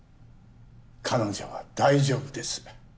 彼女は大丈夫です。